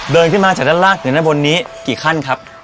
เดินขึ้นมาจากด้านล่างอยู่ด้านบนนี้กี่ขั้นครับ